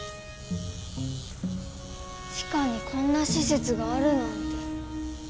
地下にこんなしせつがあるなんて。